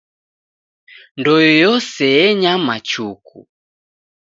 Ndoe yose enyama chuku.